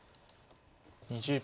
２０秒。